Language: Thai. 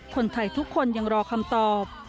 คนไทยทุกคนยังรอคำตอบ